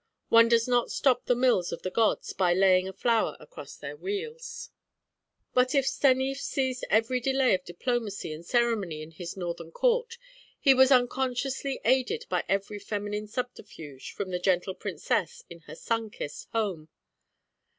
One does not stop the mills of the gods by laying a flower across their wheels. But if Stanief seized every delay of diplomacy and ceremony in his Northern court, he was unconsciously aided by every feminine subterfuge from the Gentle Princess in her sun kissed home.